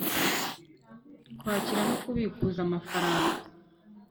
kwakira no kubikuza amafaranga